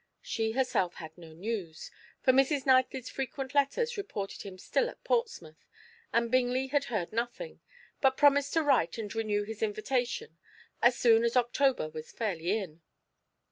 She herself had no news, for Mrs. Knightley's frequent letters reported him still at Portsmouth, and Bingley had heard nothing, but promised to write and renew his invitation as soon as October was fairly in.